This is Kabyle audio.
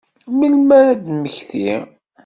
Melmi ara ad temmekti?